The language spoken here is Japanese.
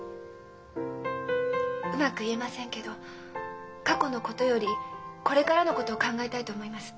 うまく言えませんけど過去のことよりこれからのことを考えたいと思います。